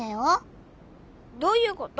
どういうこと？